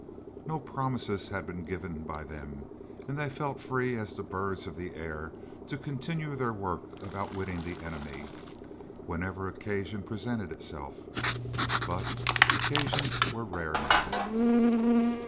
No promises had been given by them, and they felt free as the birds of the air to continue their work of outwitting the enemy, whenever occasion presented itself. But occasions were rare now.